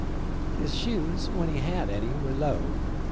"His shoes, when he had any, were low.